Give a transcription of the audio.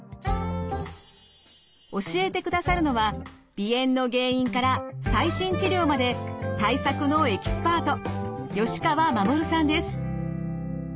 教えてくださるのは鼻炎の原因から最新治療まで対策のエキスパート